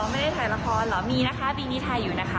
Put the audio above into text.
ไม่ได้ถ่ายละครเหรอมีนะคะปีนี้ถ่ายอยู่นะคะ